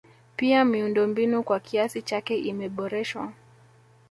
Pia miundombinu kwa kiasi chake imeboreshwa